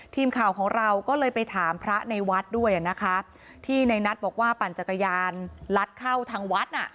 ทีมข่าวของเราก็เลยไปถามพระในวัดด้วยอ่ะนะคะที่ในนัทบอกว่าปั่นจักรยานลัดเข้าทางวัดน่ะ